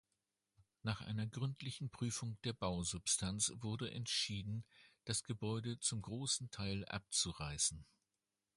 Nach einer gründlichen Prüfung der Bausubstanz wurde entschieden, das Gebäude zum großen Teil abzureißen.